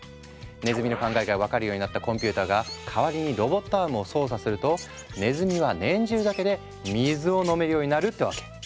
ねずみの考えが分かるようになったコンピューターが代わりにロボットアームを操作するとねずみは念じるだけで水を飲めるようになるってわけ。